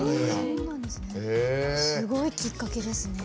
すごいきっかけですね。